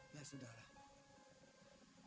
ya sudah lah